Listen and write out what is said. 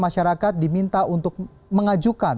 masyarakat diminta untuk mengajukan